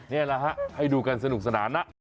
นี่แหละฮะให้ดูกันสนุกสนานนะ